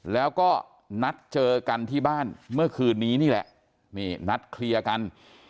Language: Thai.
แล้วก็นัดเจอกันที่บ้านเมื่อคืนนี้นี่แหละนี่นัดเคลียร์กัน